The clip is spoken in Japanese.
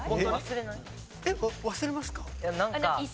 忘れますか？